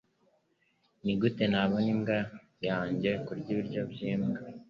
Nigute nabona imbwa yanjye kurya ibiryo byimbwa?